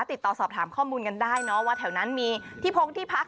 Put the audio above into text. ติดต่อสอบถามข้อมูลกันได้เนอะว่าแถวนั้นมีที่พงที่พัก